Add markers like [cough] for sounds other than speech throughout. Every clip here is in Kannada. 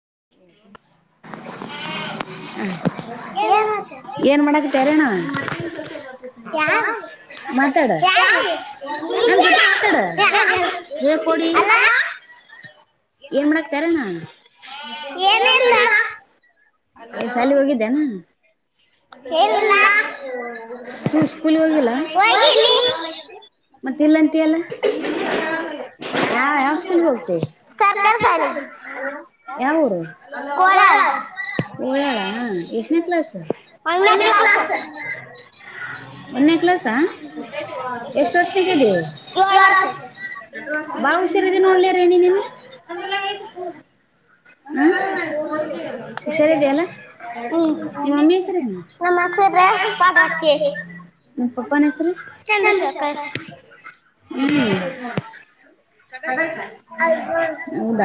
ಹ್ಮ.. ಹ್ಮ್.. ಏನ್ ಏನ್ ಮಾಡ.. ಹ ಮಾತಾಡೊ ಮಾತಾಡ ಪುಡಿ ಏನ್ ಮಾಡಕ್ತಾರಣ ಅಲ್ಲ ಶಾಲಿ ಹೋಗಿದ್ದೇನ. ಸ್ಕೂಲ್ ಸ್ಕೂಲಿ ಹೋಗಿಲ್ಲ. ಮತ್ತೆ ಮತ್ ಇಲ್ಲ ಇಲ್ಲಂತ ಯಲ್ಲ ಅಂತೀಯಲ್ಲ ಯಾವ ಸ್ಕೂಲ್ ಹೋಗತ್ತೆ. ಯಾವ ಊರು. ಕೋಲಾರ್ ಎಷ್ಟನ ಕ್ಲಸ್. ಒನ್ನೇ ಕ್ಲಾಸ್ ಒಂದೇ ಕ್ಲಸ ಕ್ಲಾಸ್ ಎಷ್ಟು ಎಷ್ಟ ವರ್ಷ ವರ್ಷಗ್ದೀವಿ. ಆಗೈತಿ ನಾನು ಬಾ ಸೇರಿದೀನಿ ಹುಷಿರ್ರ ಒಳ್ಳೆ ನೋಡ್ಲಿ ರ ನಿನಗೆ ಣಿ ನೀನ್. ಅಂದ ತೋಡ್ಗೆ. ಹುಷಾರಿದೆಯಲ್ಲ ನಿಮ್ಮ ಮಮ್ಮಿ ಹೆಸರೇನು ಹ್ಮ ಹ ಸರ್ ಪಡ್ವಾಕ್ಕೆ. ನಿನ್ನ್ ಪಪ್ಪನ್ ಹೆಸರು ಹ್ಮ.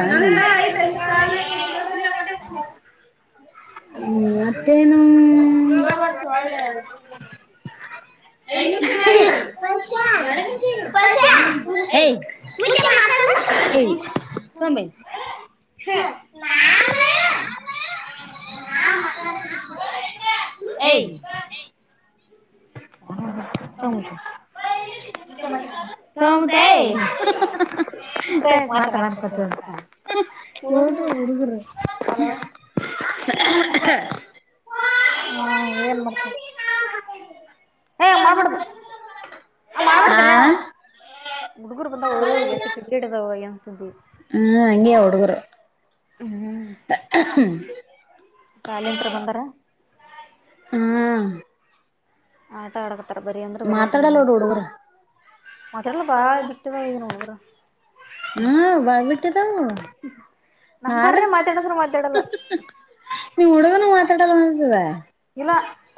ನನ್ನ ಐತೆ ಹಂಗೆ ಕಾಲ್ನಾಗ್ ಐತೆ. ೌ ಹ್ಮ್ ಮತ್ತೇನು ಇವಾಗ ಹಚ್ಚು ಮತ್ತೇನು. ಒಳ್ಳೆ ಕಶ ಐದ್ ನಿಮಿಷ ಆಯ್ತು. ಕಶ್ಯ ಹ ಮಾತ. ಈ್ಮ. ಹ ನ. ಏ. ಹ ಹ ತಮಟ. ತಗೊಂಬೆ. ಹಮ್ಮತಾಯಾಯ ತಗಂಬುತ್ತೆ ಮಾತ ಮಾಡನ್ಕತ. ಮಾತಾಡ ಹದ ಹುಡುಗ್ರ. ಹಲೋ ಹ್ಮ್ ಮರ್ತ. ಏ್ ಮಾಪಡದು ಆ ಮಾಬಡದ ರ ಣ. ಹುಡುಗೂರು ಬಂದವು ಎಟ್ಟು ಕ್ರಿಕೆಟ್್ದಾವ ಹೆಂಗ್ ಸಂತಿ. ್ಮ. ಸಾಲಂತ್ರ ಬಂದಾರ. ಹ್ಮ್. ಆಟೋ ಒಡ. ಹತ್ತರ ಬರಿ ಅಂದ್ರ ಬರಂದ್ರ ನೀ ಮಾತಾಡಲ್ಲ ನೋಡು ಹುಡುಗರು ಮತ್ರಲ್ಲ ಬಾಳ ಬಿಟ್ಟ ಹುಡುಗರ. ಹ್ಮ ಬಬಟೆ ತ. ನಾಳೆ. ನಂಬರ್ನೇ ಮಾತಾಡಂದ್ರು ಮಾತಾಡಲ್ಲ ನೀವ್ ಹುಡುಗನು ಮಾತಾಡಲ್ಲ ಅನತದ. ಇಲ್ಲ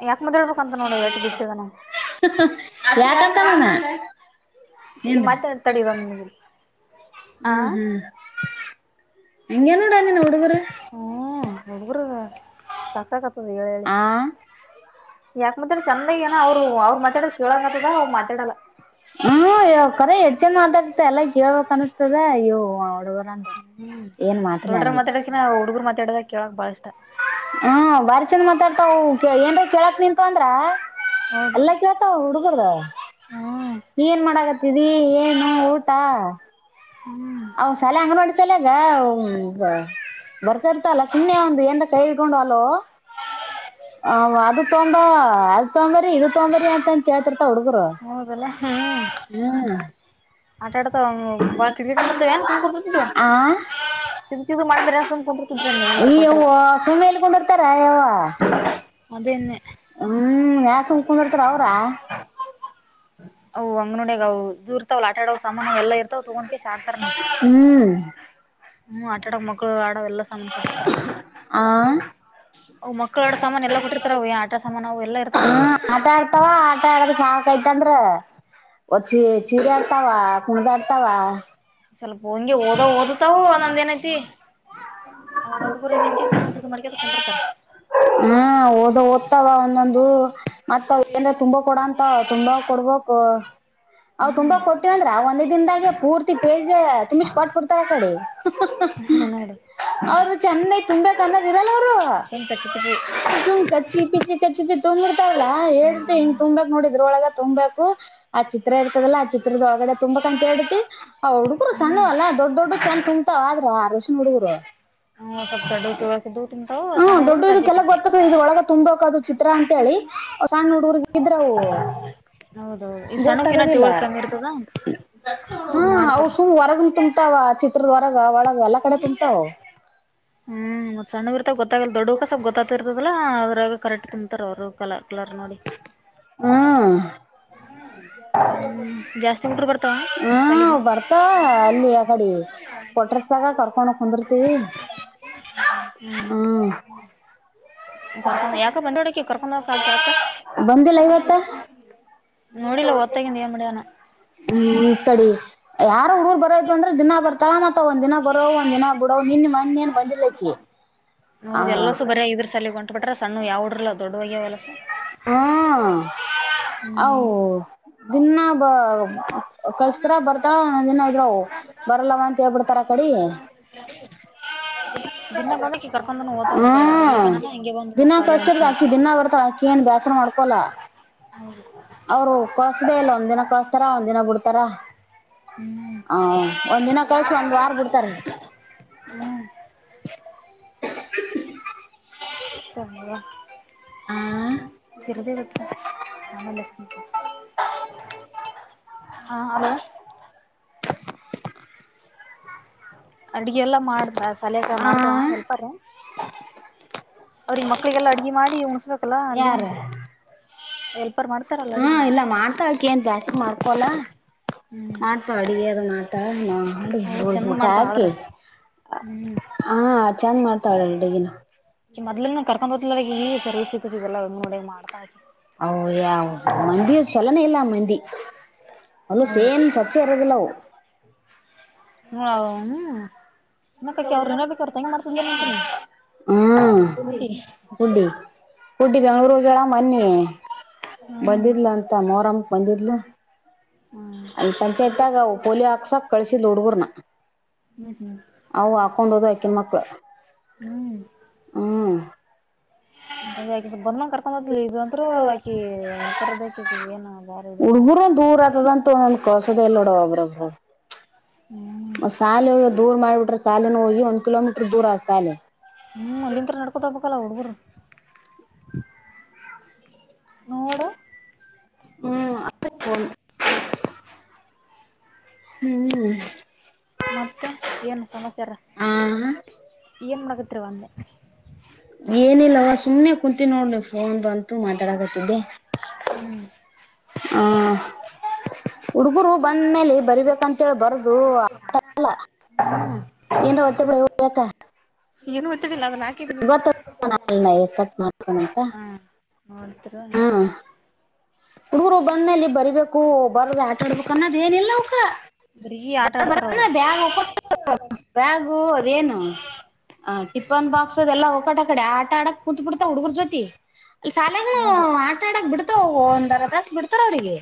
ಯಾಕೆ ಮಾತಾಡ್ಬೇಕಂತ ನೋಡು ಎಟ್ಟು ಬಿಟ್ಟಿದ ನಾವು ಯಾಕಂತ ನಾನ. ಈ ಏನ್. ಮಾತಾಡ್ತಾಡಿ ಇವಾಗ ನಿಮಗೆ ಆ ಹ್ಮ್ ಹ್ಮ್ ಎಂಗನುಟ ನೀ ನೋಡುಗರ. ನಗರು ಸಾಕಕತ್ತದ ಹೇಳ ಹೇಳಿ. ಯಾಕ ಮಾತಾಡ ಯಾಕಂದ್ರೆ ಚಂದಾಗ ಏನ ಅವ್ರು ಅವ್ರು ಮಾತಾಡೋದ ಅವ್ತ್ರ ಕೇಳಂಗತದ ಅವ್ ಮಾ. ಮಾತಾಡಲ್ಲ ಹ್ಮ ಯ ಕರ ಹೆಚ್ಚನ್ ಮಾತಾಡ್ತ ಎಲ್ಲ ಕೇಳ್ಬೇಕಕ್ ಅನ್ಸತದೆ ಇವು ಅವ್ಳ. ಹ್ಮ್ ದೊಡ್ಡ್ರ ಮಾತಾಡಕಿನ ಹುಡುಗರು ಮಾತಾಡದ ಕೇಳಕ್ ಬಾಳ ಇಷ್ಟ. ಹಾ ಬಾರಿ ಚಂದ ಮಾತಾಡ್ತಾವು ಏನ್ ಕೇಳಕ್ ನಿಂತು ಅಂದ್ರ. ಹೌದು ಎಲ್ಲಾ ಕೇಳ್ತಾವ ಹುಡುಗರು ಹ. ಏನ್ ಮಾಡಕತ್ತಿದಿ ಏನು ಊಟ. ಹ್ಮ್ ಅವ ಸಲೆ ಹಂಗ ಮಾಡೋಡಿ ಸಲೆಗ ಬರ್ತಾರ್ತಲ್ಲ ಸುಮ್ನೆ ಒಂದು. ಎ ಕೈ ಇಡ್ಕೊಂಡ್ ಅಲ್. ಅವ ಅದ ತೊಂಡ ಅದ ತೊಂಬರಿ ಇ ತೊಂದ್ರಿ ಅಂತಂತ ಕೇಳ್ತಿರ್ತ ಹುಡುಗರು. ಹ್ಮ ಹ್ಮ್ ಆಡ್ತಾವ ಟ್ ಮಾಡ್ದ ಏನ್ಕು. ಆ ಚಿಗ ಚಿಗ ಮಾಡಿದ್ರ ಸುಮ್ ಕುಟ್ರ ಕುುದ್ರ ನೀ ಏನ್ ಈ ಕೊಟ್ರೆ. ಯವ್ವ ಸುಮ್ನೆ ಎಲ್ಲಿ ಕುಂದಿರ್ತಾರ ಯವ್ವ ಹ್ಮ್ ಯಾ ಸುಕೊಂಡಿರ್ತಾರ ಅವ್ರ. ಓ ಅಂಗೋ. ನಗ ದೂರ್ತಾವ ಆಟ ಆಡವ ಸಾಮಾನ ಎಲ್ಲ ಇರ್ವ್ ತಗೋೊಂಡಕಸ ಆಡ್ತಾರ. ಹ್ಮ್ ಹ್ಮ ಆಟಾ ಆಡಕ್ ಮಕ್ಕಳು ಆಡವ ಎಲ್ಲ ಸಾಮಾನ ಕೊಟ್ಟಿರ್ತಾರ ಆ ಅವು ಮಕ್ಕಳ ಆ ಸಾಮಾನ ಎ ಕೊಟ್ಟಿತ ಅವವು ಆಟ ಸಾಮಾನ ಅವವು ಎಲ್ಲ ಇರ್ತ ಹ್ಮ್ ಆಟ ಆಡ್ತಾವ ಆಟ ಆಡ್ರ ಸಾಕೈತಂದ್ರ ಒ ಚಿ ಚೀರ ಆಡ್ತಾವ ಕುಣದ ಆಡ್ತಾವ ಸ್ವಲ್ಪ ಹಂಗೆ ಓದ ಓದತಾವ ಒ ನೊಂದ ಏನಐತಿ ಹಾಗ ಕುಂದಿರ್ತಾರ ಹ್ಮ ಓದ ಓದ್ತಲ್ಲ ಒಂದೊಂದು ಮತ್ತ ಏನ್ ತುಂಬಾ ಕೊಡಂತ ತುಂಬಾ ಕೊಡ್ಬಕ್ ಅವ್ ತುಂಬಾ ಕೊಟ್ಟಿವಂದ್ರ ಒಂದೇ ದಿನದಾಗೆ ಪೂರ್ತಿ ಪೇಜ ತುಂಬಿ ಸ್ಪಾಟ್ ಕೊಡ್ತಾರ ಆ ಕಡೆ ಹ ನೋಡುಸಂ ಅವ್ರು ಚಂದಾಗಿ ತುಂಬೇಕ್ ಅನ್ನೋದ್ ಇರಲ್ಲ ಅವ್ರು ಕಚ ಚಿ ಚ ಚಿ ತಂಬಿಡ್ತಾವಲ್ಲಾ ಹೇಳ್ರೆ ಹಿಂಗ ತುಂಬಬೇಕಕ್ ನೋಡಿದ್ರ ಒಳಗ ತುಂಬ್ಬೇಕು ಆ ಚಿತ್ರ ಇರ್ತದಲ್ಲ ಆ ಚಿತ್ರದೊಳಗಡೆ ತುಂಬಬೇಕಕ್ಂತ ಹೇಳ್ರಿ ತಿ ಅವ್ ಹುಡುಗ್ರು ಸಣ್ಣವಲ್ಲಾ ದೊಡ್ಡ ದೊಡ್ ಚಂದ ತುಂಬ್ತಾವ ಆದ್ರು ಆರ್ ವರ್ಷನ ಹುಡುಗರು ಹ್ಮ ಸ್ವಲ್ಪ ದೊಡ್ಡವು ತಿಳ್ಕದು ತಿಂತಾವು ಹಾ ಸಣ್ಣ ದೊಡ್ಡ ಹುಡುಗರು ಕಜಿ ಇದಕ್ಕೆಲ್ಲ ಗೊತ್ತ ಇದ್ರ ಒಳಗ ತುಂಬ ಹಕದು ಚಿತ್ರ ಅಂತೇಳಿ ಸಣ್ಣ ಹುಡು ಊರ್ಗೆ ಇದ್ರ ಹೌದು ಈ ಸಣ್ಣಕಿನ ಗೊತ್ತಾಗದಿಲ್ಲ ತಿಳ್ ಕಮ್ಮಿ ಇರ್ತದ ಹಾ ಅವ ಮಾಡ್ತಾರ ಸು ಹೊರಗ ತುಂಬತ ಚಿತ್ರದ್ವರಗ ಒಳಗ ಎಲ್ಲಾ ಕಡೆ ತಿಂತವು ಹ್ಮ್ ಸಣ್ಣ ಬಿರ್ತ ಗೊತ್ತಾಗಲ್ಲ ದೊಡ್ಡಕ್ಕ ಸ್ವಪ ಗೊತ್ತತಿರ್ತದಾ ಅದ್ರಾಗ ಕರೆಕ್ಟ್ ಕುಂತಾರ ಅವರು ಕಲಾ ಕಲ ನೋಡಿ ಹ್ಮ್ ಹ್ಮ್ ಜಾಸ್ತಿ ಹುಡ್ರು ಬರ್ತಾವ ಹ ಸಾಲಿಗೆ ಬರ್ತಾ ಅಲ್ಲಿ ಆ ಕಡೆ ಹ್ಮ್ ಹ್ಮ್ ಕರ್ಕೊಂಡ್ ಯಾಕ ಬಂದೋಡಕಿ ಕರ್ಕೊಂಡ್ ಹೋಗಕ್ ಯಾಕ ಬಂದಿಲ್ಲ ಇವತ್ತ ಹ್ಮ್ ನೋಡಿಲ್ಲ ಓದ್ತಾಗಿಂದ ಏನ್ ಮಾಡ್ಯಾನ ಇ ಸಡಿ ಯಾರ ಹುಡುಗರ್ ಬರೋ ಅಂದ್ರೆ ದಿನ ಬರ್ತಾ ಮತ್ತ ಒಂದ ದಿನ ಬರೋ ಒಂದ್ ದಿನ ಬಿಡೋ ನಿನ್ ಮಣ್ಣ ಏನ್ ಬಂದಿರ್ಲಕ್ಕಿ ಹೌದು ಎಲ್ಲ ಸು ಬರಿಯ ಇದ್ರ ಸಾಲಗೊಂಡ ಇಟ್ಬಿಟ್ರ ಸಣ್ಣು ಯಾವಡ್ರಲ್ಲ ದೊಡ್ವಾಗ ಎಲ್ಲಸು. ಹಾ ಅವು ಹ್ಮ್ ದಿನ್ನ ಬ. ಕಳಸ್ತಾರ ಬರ್ತಾರ ನನ್ರು ಬರಲ್ಲವ ಅಂತ ಹೇಳ್ಬಿಡ್ತಾರ ಆ ಕಡೆ. ದಿನ ಬಂದಕ್ಕೆ ಕರ್ಕೊಂಡ ಹೊತನಂತ ಬರ್ಲಿಕನಾ ಹಂಗ್ ದಿನಾ ಕಚರ್ದ ಅಕಿ ದಿನಾ ಬರ್ತ ಅಕಿ ಏನ್ ಬ್ಯಾಸ್ರ ಮಾಡ್ಕೊಲ. ಅವರು ಕೊಳ್ಸ್ದೇ ಇಲ್ಲ ಒಂದ ದಿನ ಕಳಸ್ತಾರ ಒಂದ್ ದಿನ ಬಿಡ್ತಾರ. ಹ್ಮ್ ಹ ಒಂದಿನ ಕಳ್ಸ ಒಂದ್ ವಾರ ಬಿಡ್ತಾರೆ. ಹ್ಮ್ [inaudible] ಆ [unintelligible] ಸಿರದೇವ ಅಕ್ಕಾ ಆಮೇಲ ಹಚ್ತೇನ. ಹಾ ಹಲೋ. ಅಡ್ಗೆ ಎಲ್ಲ ಮಾಡ್ದ ಸಾಲ್ಯಗ ಆ ಮಾಡ್ತಳ ಹೆಲ್ಪರ್. ಅವ್ರಿಗೆ ಮಕ್ಳಿಗೆಲ್ಲ ಅಡ್ಗೆ ಮಾಡಿ ಉಸ್ಬೇಕಲ್ಲ ಅಲ್ಲಿ ಎಲ್ಪ ಹಾ ಇಲ್ಲ ಮಾಡ್ತಾಕ್ಕ ಏನ್ ಜಾಸ್ತಿ ಮಾಡ್ಕೊಲ್ಲ. ಹ್ಮ್ ಮಾಡ್ತಾಳ ಅಡಗಿ ಅದು ಮಾಡ್ತಾಳ ಮಾಡಿ ಅವು ಚಂದ ಊಟ ಮಾಡ್ತಾವ ಹಾಕಿ. ಆದ್ರ ಹ್ಮ್ ಹಾ ಚಂದ್ ಮಾಡ್ತಾವಳಲ್ಡಿಗಿನ. ಮದ್ಲನು ಕರ್ಕೊಂಡ ಹತಲ ಈ ಸರ್ವ್ ಸಿ ಇತದೆಲ್ಲ ಒ ನೋಡಗ್ ಮಾಡ್ತಾತಿ. ಯ ಮಂದಿ ಚಲೊನ್ ಇಲ್ಲ ಮಂದಿ. ಹೊಲಸ ಹೌದು ಏನ್ ಸ್ವಚ್ಛ ಇರೋದಿಲ್ಲ ಅವ. ಹ್ಮ. ಅಂತೀನಿ ಹ್ಮ ಕೂತಿ ಕುಡ್ಡಿ. ಕುಡ್ಡಿ ಬೆಂಗ್ಳೂರ್ ಹೋಗಳ ಮನ್ನಿ ಹ್ಮ್ ಬಂದಿದ್ಲ ಅಂತ ಮೋರಮ. ಬಂದಿದ್ಲು ಹ್ಮ್ ಅಲ್ಲಿ ಪಂಚಾಯತ್ಯಾಗ ಪೋಲಿಯೋ ಹಾಕ್ಸಕ್ ಕಳಸಿದ ಹುಡುಗರ್ನ. ಹ್ಮ್ ಅವ ಹಾಕೊಂಡ ಹೋದ್ ಆಕಿನ ಮಕ್ಳು ಹ್ಮ. [inaudible] ಬಂದ ಮಂಗ ಕರ್ಕೊಂಡ್ ಹದ್ಲಿ ಇಂತರುೂ ಆಕಿ ಎಲ್ಪರ್ದಕ ಏನು ಬಾರಿ ಇರೋದು. ಹುಡ್ಗುರು [unintelligible] ಹ್ಮ್ ಮ ಶಾಲೆ ದೂರ್ ಮಾಡಿಬಿಟ್ರೆ ಶಾಲೆನ ಹೋಗಿ ಒಂದ್ ಕಿಲೋಮೀಟರ್ ದೂರ ಆತ ಶಾಲೆ. ಹ್ಮ್ ಅಲ್ಲಿಂತ್ರ ನಡ್ಕೊತ ಬಬೇಕಲ್ಲ ಹಡುಗರು. ನೋಡ. ಹ್ಮ್ ಹ್ಮ್ ಹ್ಮ್. ಮತ್ತೆ ಏನು ಸಮಾಚಾರ ಹಾ ಏನ್ ಮಾಡಗತ್ರಿವ ಅಂದೆ. ಏನಿಲ್ಲವ ಸುಮನೆ ಕುಂತ ನೋಡ ಫೋನ್ ಅಂತು ಮಾತಾಡಕತಿದ್ದೆ. ಹ್ಮ್ ಹಾ. ಹುಡುಗರು ಬಂದ ಮೇಲೆ ಬರಿಬೇಕಂತೇಳಿ ಬರದು. ಹ್ಮ್ ಏನು ಗೊತ್ತಿಲ್ಲ ಅದನ್ನ ಹಾಕಿದೀನಿ [inaudible] [inaudible] ಹಾ ನೋಡ್ತರ ಹ. ಹಡೂರು ಬಂದ ಮೇಲಿ ಬರಿಬೇಕು ಬರ್ದ ಆಟ ಆಡ್ಬೇಕು ಅನ್ನೋದ್ ಏನಿಲ್ಲ ಅವಕ್ಕ. ಬರೀ ಆಟ ಆಡ್ತಾರ ಬರ್ಕಣ ಅವ್ರು ಬ್ಯಾಗ್ ಹಾಕೊಂಡ ಬ್ಯಾಗು ಅದ ಏನು. ಆ ಟಿಫನ್ ಬಾಕ್ಸ್ ಅದೆಲ್ಲ ಹೊಕಾಟ ಆ ಕಡೆ ಆಟ ಆಡಕ್ ಕುೂತ್ ಬಿಡ್ತಾ ಹುಡ್ಗುರ್ ಜೊತಿ. ಅ ಸಾಲ್ಯಗುನು ಹೌದು ಆಟಾಡಕ್ ಬಿಡ್ತಾವ ಒಂದ ಅರ್ಧಾ ದತಾಸ ಬಿಡ್ತಾರ ಅವ್ರಿಗೆ.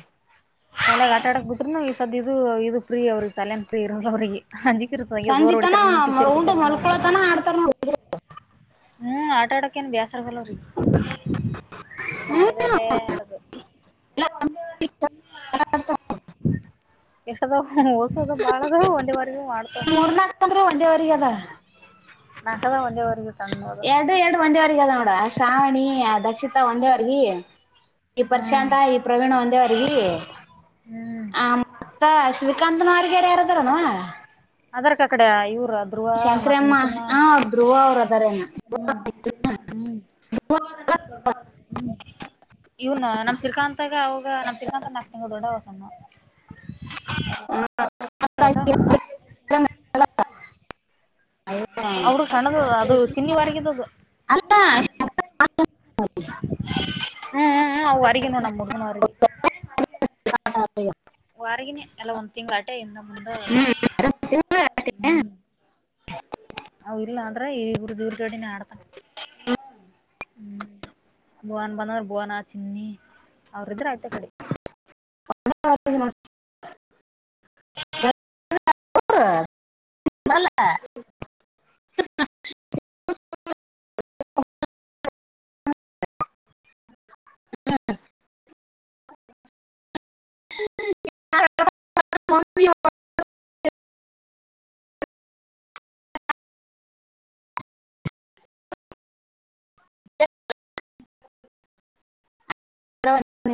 ಸಲೆಯಗ್ ಆಟ ಆಡಕ್ ಬಿಟ್ರರುನು ಈ ಸದ ಇದು ಇದು ಪ್ರೀ ಅವ್ರಿಗೆ ಸಲಯನ್ ಪ್ರೀ ಇರ ಅವ್ರಿಗೆ. ಹಂಜಿಕೀರ್ಸದಗೆ ಸರ್ ಸಂಜಿತನ ಹೊಡಿತಾರ ಟೀಚರ್ ಉಂಡು ಹೊಡಿತಾರ ಅಂತ. ಮಲ್ಕೊಳತನ ಆಡ್ತಾರ ನೋಡ ಹ್ಮ್ ಆಟ ಆಡಕೇನ್ ಬಾಸ್ [unintelligible] [inaudible] ಬೆಸ ಅದಾವ ಓಸದ ಬಾಳ ಅದಾವ ವಲ್ಲೆವಾ. ಮೂರ್ನಾಲ್ಕಂದ್ರೆ ಒಂದೆವರೆಗ ಅದ. ನಾಕದಾವ್ ಒಂದೇ ವರೆಗೂ ಸಣ್ಣೋದು ಎರಡು ಎರಡು ಒಂದೇ ವಾರಗಿ ಅದ ನೋಡ ಆ ಶ್ರಾವಣಿ ಆ ದಕ್ಷಿತಾ ಒಂದೇ ವಾರಗಿ [unintelligible] ಈ ಪರ್ಶಾಂತ ಈ ಪ್ರವೀಣ ಒಂದೇ ವಾರಗಿ [unintelligible] ಹ್ಮ್ ಆ ಮತ್ತ ಶ್ರೀಕಾತ್ನ ವಾರಗಿ ಯಾರ ಅದಾರ ಏನ್ ವಾ [unintelligible] ಅದರ ಕ ಕಡೆ ಇವ್ರ ಧ್ರುವ ಶಂಕರಮ್ಮ ಹಾ ಧ್ರುವಾ ಅವರ ಅದಾರ [unintelligible] [inaudible] ಹು ಹು ಹು [unintelligible] ಇವನ ನಮ್ಮ ಶ್ರೀಕಾಂತಾಗ ಅವಾಗ ನಮ್ಮ ಶ್ರೀಕಾಂತ ನಾಲ್ಕ ತಿಂಗಳ ದೊಡ್ಡವ ಅದಾನ [unintelligible] ಅಪ್ [unintelligible] [inaudible] [unintelligible] ಅವರು ಸಣ್ಣದ ಅದು ಚಿನ್ನಿ ವಾರಗಿದದು [unintelligible] ಹೂ ಹೂ ಅವ ವಾರಗಿ ನೋಡ್ ನಮ್ಮ ಹುಡುಗನ ವಾರಗಿ [unintelligible] ವಾರಗಿನೇ ಎಲ್ಲಾ ಒಂದ್ ತಿಂಗಳ ಆಟೆ ಹಿಂದ ಮುಂದ [unintelligible] [inaudible] [unintelligible] ಅವರ ಇಲ್ಲ ಅಂದ್ರೆ ಇವರ ಜೋಡಿನೇ ಆಡ್ತಾನ? [unintelligible] ಹೂ ಭುವನ್ ಬಂದರ ಭುವನ ಚಿನ್ನಿ ಅವರ ಇದರ ಆಚೇ ಕಡೆ. [unintelligible] [inaudible] [unintelligible] [inaudible] [unintelligible] [inaudible] [inaudible] [unintelligible] [inaudible] [unintelligible] [unintelligible] [inaudible] [unintelligible] [inaudible] [unintelligible]